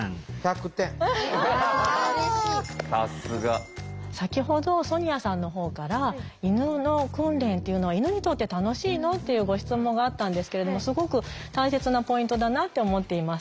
さすが。先ほどソニアさんのほうから「犬の訓練というのは犬にとって楽しいの？」っていうご質問があったんですけれどもすごく大切なポイントだなって思っています。